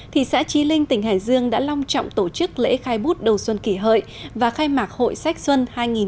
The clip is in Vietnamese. thị xã trí linh tỉnh hải dương đã long trọng tổ chức lễ khai bút đầu xuân kỷ hợi và khai mạc hội sách xuân hai nghìn một mươi chín